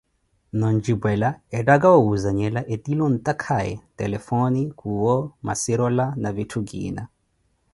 Noo ontxipwela etthaka owuzanhela ettile ontaakaye, telefone, kuwo, macirola, na vittu kiina